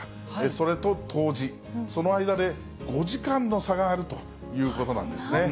それと冬至、その間で５時間の差があるということなんですね。